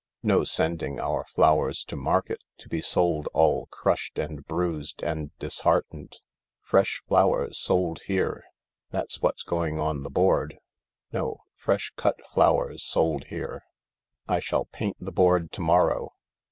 No sending our flowers to market to be sold all crushed and bruised and disheartened. ' Fresh flowers sold here '—that's what's going on the board. No, ' Fresh cut flowers sold here.' I shall paint the board to morrow.